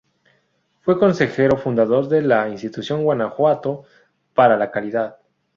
Fue Consejero fundador de la Institución Guanajuato para la Calidad.